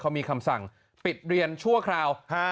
เขามีคำสั่งปิดเรียนชั่วคราว